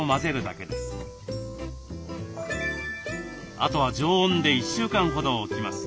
あとは常温で１週間ほど置きます。